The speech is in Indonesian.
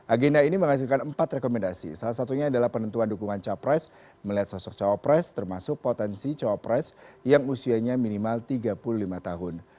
agenda ini menghasilkan empat rekomendasi salah satunya adalah penentuan dukungan capres melihat sosok cawapres termasuk potensi cawapres yang usianya minimal tiga puluh lima tahun